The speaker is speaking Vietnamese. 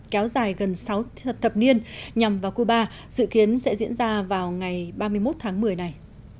kéo dài gần sáu thập niên nhằm vào cuba dự kiến sẽ diễn ra vào ngày ba mươi một tháng một mươi này